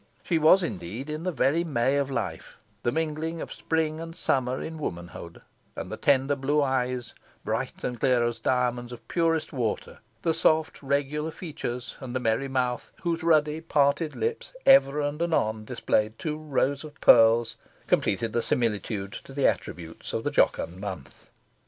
She was indeed in the very May of life the mingling of spring and summer in womanhood; and the tender blue eyes, bright and clear as diamonds of purest water, the soft regular features, and the merry mouth, whose ruddy parted lips ever and anon displayed two rows of pearls, completed the similitude to the attributes of the jocund month.